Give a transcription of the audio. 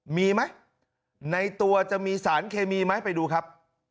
มีมั้ยในตัวจะมีสารเคมีมั้ยไปดูครับ